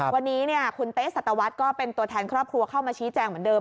วันนี้คุณเต๊สัตวรรษก็เป็นตัวแทนครอบครัวเข้ามาชี้แจงเหมือนเดิม